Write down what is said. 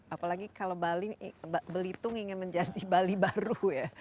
apalagi kalau bali belitung ingin menjadi bali baru ya